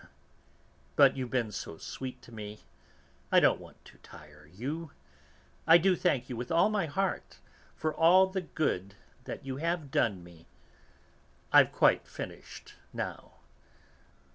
But you've been so sweet to me; I don't want to tire you. I do thank you, with all my heart, for all the good that you have done me. I've quite finished now.